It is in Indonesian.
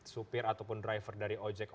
supir ataupun driver dari ojek